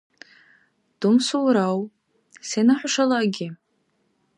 Думсулрав? Сена хӀушала аги?